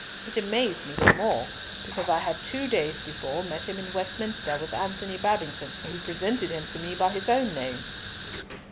It amazed me the more, because I had two days before met him in Westminster with Antony Babington, who presented him to me by his own name."